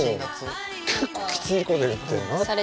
結構きついこと言ってるなって。